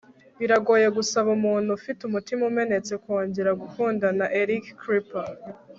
biragoye gusaba umuntu ufite umutima umenetse kongera gukundana. - eric kripke